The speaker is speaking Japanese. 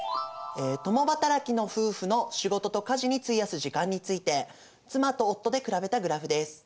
共働きの夫婦の仕事と家事に費やす時間について妻と夫で比べたグラフです。